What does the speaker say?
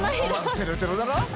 テロテロだろ？